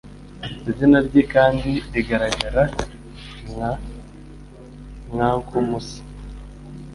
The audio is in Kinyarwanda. Izina rye kandi rigaragara nka "Kankou Musa"